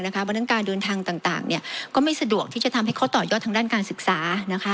เพราะฉะนั้นการเดินทางต่างก็ไม่สะดวกที่จะทำให้เขาต่อยอดทางด้านการศึกษา